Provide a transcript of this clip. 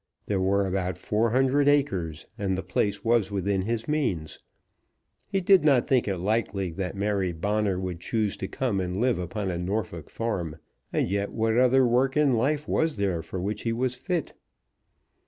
There were about four hundred acres, and the place was within his means. He did not think it likely that Mary Bonner would choose to come and live upon a Norfolk farm; and yet what other work in life was there for which he was fit?